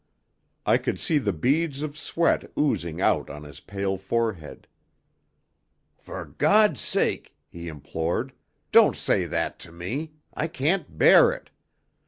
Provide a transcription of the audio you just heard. I could see the beads of sweat oozing out on his pale forehead. "For God's sake," he implored, "don't say that to me; I can't bear it!